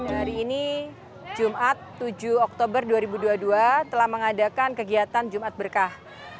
hari ini jumat tujuh oktober dua ribu dua puluh dua telah mengadakan kegiatan jumat berkah